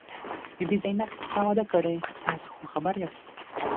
بي بي زينت، تا واده کړی؟ تاسې خو خبر یاست.